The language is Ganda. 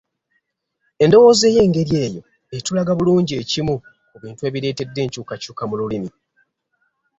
Endowooza ey’engeri eyo etulaga bulungi ekimu ku bintu ebireetedde enkyukakyuka mu lulimi